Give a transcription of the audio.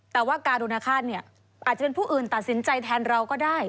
แต่ว่าการุณฆาตอาจจะเป็นผู้อื่นตัดสินใจแทนเราก็ได้